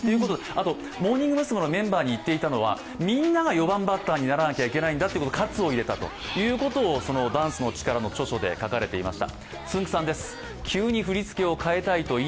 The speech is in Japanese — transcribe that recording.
あとモーニング娘のメンバーに言っていたのはみんなが４番バッターにならなきゃいけないんだと喝を入れたと「ダンスの力」の著書で書かれていました。